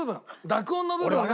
濁音の部分が。